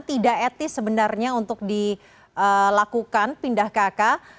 tidak etis sebenarnya untuk dilakukan pindah kk